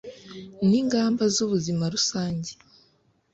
n'ingamba zu buzima rusange